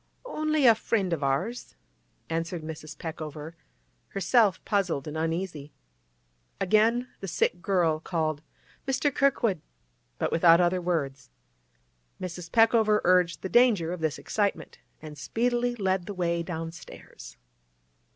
'Only a friend of ours,' answered Mrs. Peckover, herself puzzled and uneasy. Again the sick girl called 'Mr. Kirkwood!' but without other words. Mrs. Peckover urged the danger of this excitement, and speedily led the way downstairs.